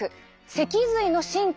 脊髄の神経。